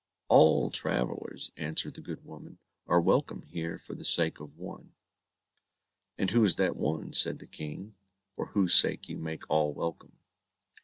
"All travellers," answered the good woman, "are welcome here, for the sake of one." "And who is that one," said the King, "for whose sake you make all welcome?"